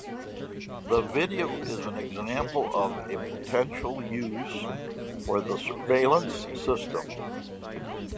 The video is an example of a potential use for the surveillance system.